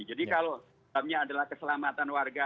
jadi kalau adalah keselamatan warga